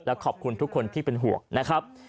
ขอบคุณทุกคนที่เป็นห่วงนะครับ